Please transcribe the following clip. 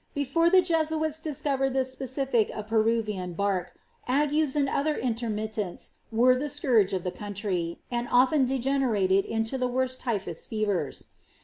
Before the Jesuits discovered the speciific of Peruvian bark, agues and other intermittents were the scourge of the country, and oflen degenerated into the wont typhus fevers.